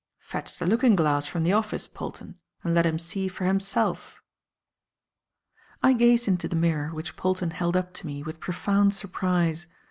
Fetch the looking glass from the office, Polton, and let him see for himself." I gazed into the mirror which Polton held up to me with profound surprise.